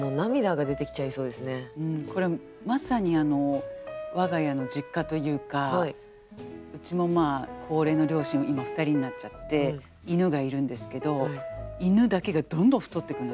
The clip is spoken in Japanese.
これはまさに我が家の実家というかうちも高齢の両親が今２人になっちゃって犬がいるんですけど犬だけがどんどん太ってくのよ。